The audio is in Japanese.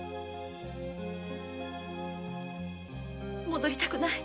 戻りたくない。